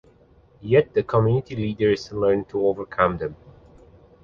Yet, the community leaders learned to overcome them.